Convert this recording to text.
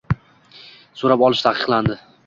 so‘rab olishi taqiqlanadi.